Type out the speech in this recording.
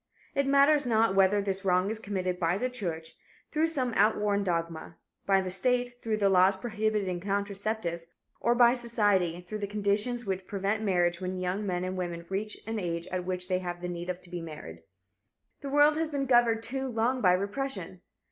It matters not whether this wrong is committed by the church, through some outworn dogma; by the state, through the laws prohibiting contraceptives, or by society, through the conditions which prevent marriage when young men and women reach the age at which they have need of marriage. The world has been governed too long by repression.